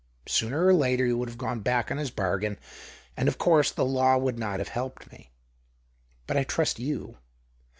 Sooner or later he would have gone back on his bargain, and, of course, the law would not have helped me. But I trust you.